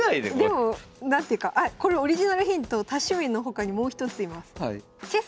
でも何ていうかあこれオリジナルヒント多趣味の他にもう一つ言います。